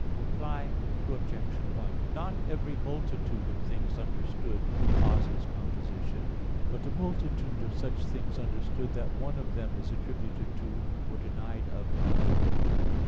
Reply Obj. 1: Not every multitude of things understood causes composition, but a multitude of such things understood that one of them is attributed to, or denied of, another.